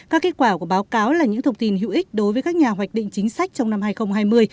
các kết quả của báo cáo là những thông tin hữu ích đối với các nhà hoạch định chính sách trong năm hai nghìn hai mươi